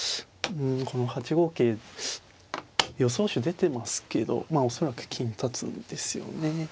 この８五桂予想手出てますけどまあ恐らく金立つんですよね。